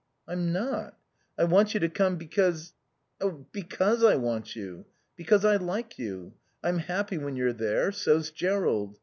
"I'm not. I want you to come because oh because I want you. Because I like you. I'm happy when you're there. So's Jerrold.